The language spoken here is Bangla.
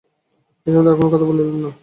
এ সম্বন্ধে আর কোনো কথা বলিলেন না।